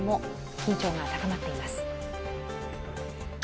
緊張が高まっています。